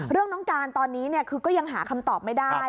เรื่องน้องการตอนนี้ก็ยังหาคำตอบไม่ได้